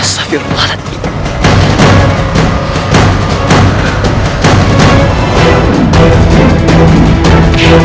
saya sudah mati